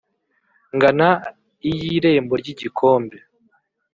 Ngana iy’Irembo ry’Igikombe